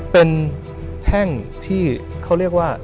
เป็นแช่งที่เขาเรียกว่า